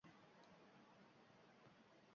Siz esa koʻproq pul bilan muomala qilasiz.